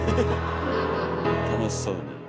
楽しそうに。